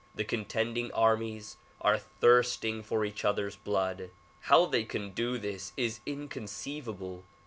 The contending armies are thirsting for each other's blood. How they can do this is inconceivable.